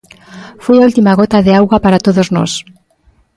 Foi a última gota de auga para todos nós.